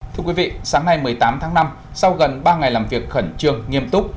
thưa quý vị sáng nay một mươi tám tháng năm sau gần ba ngày làm việc khẩn trương nghiêm túc